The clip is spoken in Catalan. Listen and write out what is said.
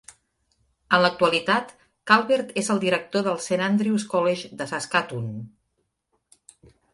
En l'actualitat, Calvert és el director del Saint Andrew's College de Saskatoon.